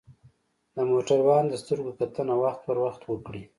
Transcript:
د موټروان د سترګو کتنه وخت پر وخت وکړئ.